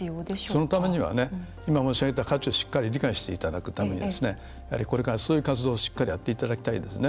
そのためには今、申し上げた価値をしっかり理解していただくためにやはり、これからそういう活動をしっかりやっていただきたいです。